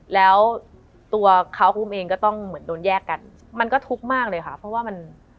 แล้วตัวเขาคุณอุ้มเองก็ต้องเหมือนโดนแยกกัน